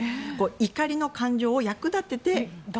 怒りの感情を役立てて。